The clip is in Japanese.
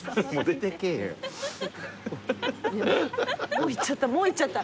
もう行っちゃった